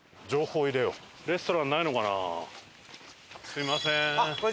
すみません。